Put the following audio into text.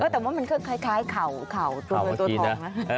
แต่มันคือคล้ายเข่าตัวทองนะ